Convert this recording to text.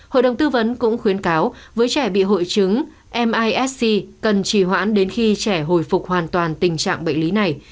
hội đồng tư vấn cũng khuyến cáo với trẻ bị hội chứng misc cần trì hoãn đến khi trẻ hồi phục hoàn toàn tình trạng bệnh lý này